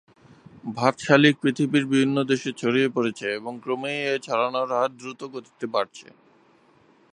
ভাত শালিক পৃথিবীর বিভিন্ন দেশে ছড়িয়ে পড়েছে এবং ক্রমেই এ ছড়ানোর হার দ্রুতগতিতে বাড়ছে।